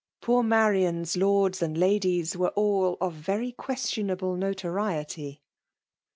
Poor Marian's Lords and Ladies were all of very questionable notoriety.